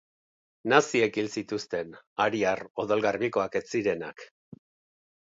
Naziek hil zituzten ariar odol garbikoak ez zirenak.